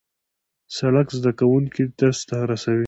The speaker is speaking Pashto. سړک زدهکوونکي درس ته رسوي.